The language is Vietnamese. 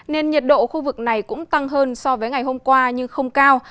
nên nhiệt độ khu vực này cũng tăng hơn so với ngày hôm qua nhưng không cao